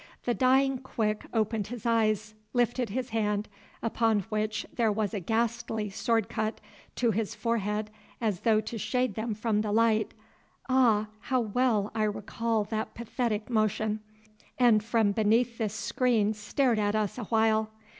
The dying Quick opened his eyes, lifted his hand, upon which there was a ghastly sword cut, to his forehead, as though to shade them from the light—ah! how well I recall that pathetic motion—and from beneath this screen stared at us a while.